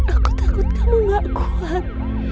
aku takut kamu gak kuat